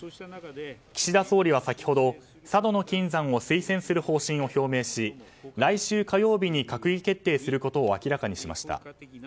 岸田総理は先ほど佐渡島の金山を推薦する方針を表明し、来週火曜日に閣議決定することを明らかにしました。